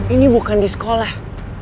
ini bukan di sekolah